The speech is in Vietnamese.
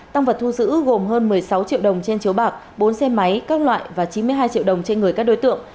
tăng vật thu giữ gồm hơn một mươi sáu triệu đồng trên chiếu bạc bốn xe máy các loại và chín mươi hai triệu đồng trên người các đối tượng